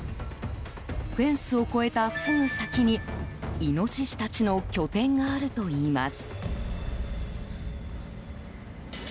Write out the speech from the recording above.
フェンスを越えたすぐ先にイノシシたちの拠点があるといいます。